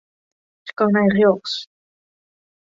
Sko nei rjochts.